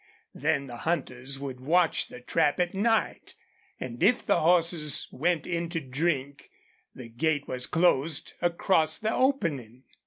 Then the hunters would watch the trap at night, and if the horses went in to drink, a gate was closed across the opening.